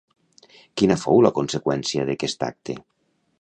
Quina fou la conseqüència d'aquest acte?